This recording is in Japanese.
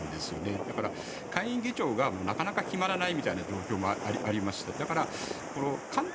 だから、下院議長がなかなか決まらないみたいな状況もありました。